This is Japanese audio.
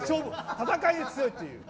戦いに強いっていう。